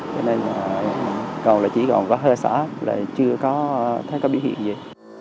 cho nên là chỉ còn có hơi xã chưa thấy có biểu hiện gì